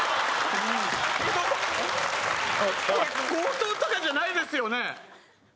これ強盗とかじゃないですよね？